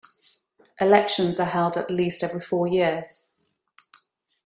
Elections are held at least every four years.